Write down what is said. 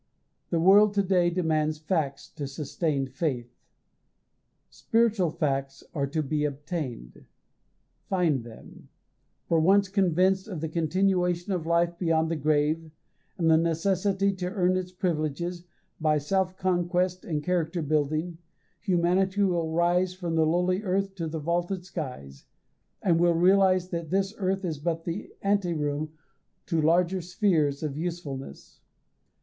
The world to day demands facts to sustain faith. Spiritual facts are to be obtained. Find them: for once convinced of the continuation of life beyond the grave, and of the necessity to earn its privileges, by self conquest and character building, humanity will rise "from the lowly earth to the vaulted skies," and will realize that this earth is but the anteroom to larger spheres of usefulness.